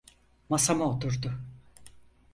Masama oturdu.